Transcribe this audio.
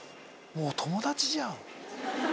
もう友達じゃん。